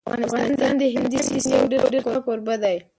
افغانستان د هلمند د سیند یو ډېر ښه کوربه دی.